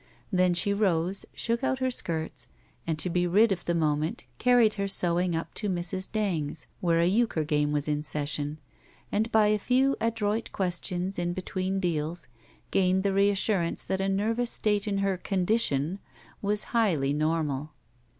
Then she rose, shook out her skirts, and to be rid of the moment carried her sewing up to Mrs. Bang's, where a euchre game was in session, and by a few adroit questions in between deals gained the reassurance that a nervous state in her ''condition" was highly normal.